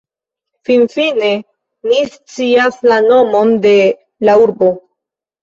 Finfine, mi scias la nomon de la urbo